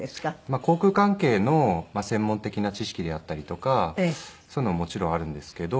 航空関係の専門的な知識であったりとかそういうのはもちろんあるんですけど。